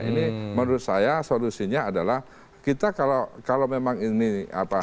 ini menurut saya solusinya adalah kita kalau memang ini apa